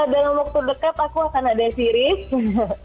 dalam waktu dekat aku akan ada series